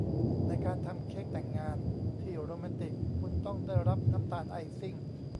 ในการทำเค้กแต่งงานที่โรแมนติกคุณต้องได้รับน้ำตาลไอซิ่ง